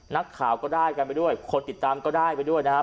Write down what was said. นักข่าวก็ได้กันไปด้วยคนติดตามก็ได้ไปด้วยนะครับ